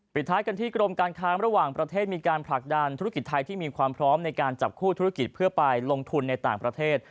ท้ายกันที่กรมการค้าระหว่างประเทศมีการผลักดันธุรกิจไทยที่มีความพร้อมในการจับคู่ธุรกิจเพื่อไปลงทุนในต่างประเทศ